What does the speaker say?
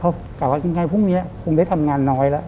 เขากลับว่ายังไงพรุ่งนี้คงได้ทำงานน้อยแล้ว